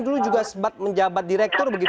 dulu juga sebat menjabat direktur